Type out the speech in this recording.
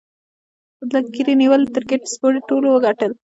له ګيري نیولې تر ګیټس پورې ټولو وګټل